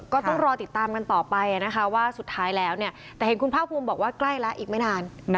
ก็ต้องรอติดตามกันต่อไปนะคะว่าสุดท้ายแล้วแต่เห็นคุณภาคภูมิบอกว่าใกล้แล้วอีกไม่นาน